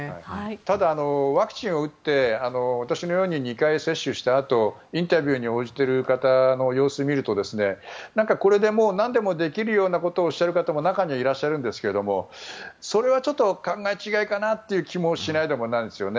ただ、ワクチンを打って私のように２回接種したあとインタビューに応じている方の様子を見るとこれでなんでもできるようなことをおっしゃる方も中にはいらっしゃるんですがそれはちょっと考え違いかなという気もしないでもないですよね。